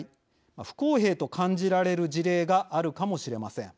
不公平と感じられる事例があるかもしれません。